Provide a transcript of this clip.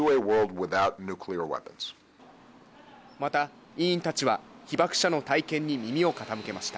また、委員たちは被爆者の体験に耳を傾けました。